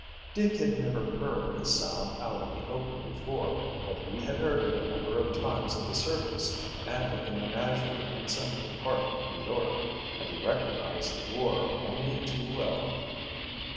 Dick had never heard, this sound out in the open before, but he had heard it a number of times at the circus and at the menagerie in Central Park, New York, and he recognized the roar only too well.